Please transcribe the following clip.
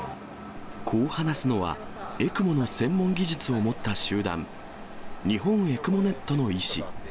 こう話すのは、ＥＣＭＯの専門技術を持った集団、日本ＥＣＭＯｎｅｔの医師。